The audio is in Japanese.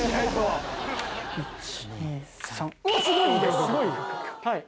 すごい！